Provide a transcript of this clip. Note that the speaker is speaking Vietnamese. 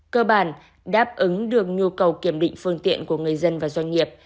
cơ bản đáp ứng được nhu cầu kiểm định phương tiện của người dân và doanh nghiệp